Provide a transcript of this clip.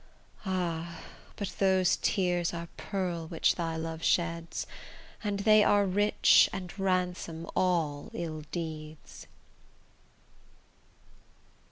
Ah! but those tears are pearl which thy love sheds, And they are rich and ransom all ill deeds.